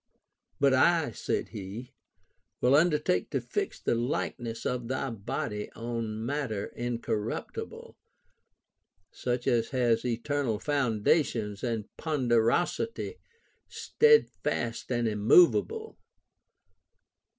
" But I," said he, " Will undertake to fix the likeness of thy body on mat ter incorruptible, such as has eternal foundations and a ponderosity steadfast and immovable.